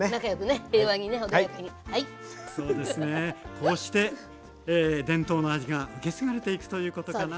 こうして伝統の味が受け継がれていくということかな。